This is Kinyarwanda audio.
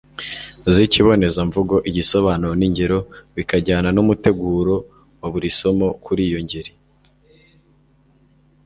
z'ikibonezamvugo, igisobanuro n'ingero bikajyana n'umuteguro wa buri somo kuri iyo ngeri